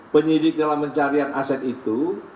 penyidik dalam pencarian aset itu